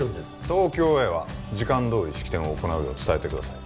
東京へは時間どおり式典を行うよう伝えてください